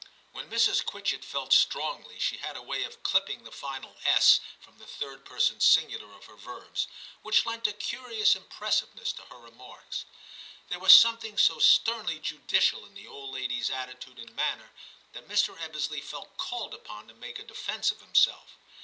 When Mrs. Quitchett felt strongly she had a way of clipping the final s from the third person singular of her verbs, which lent a curious impressiveness to her remarks. There was something so sternly judicial in the old lady's attitude and manner that Mr. Ebbesley felt called upon to make a defence of himself.